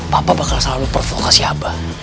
papa bakal selalu provoke si abah